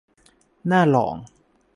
น่าลอง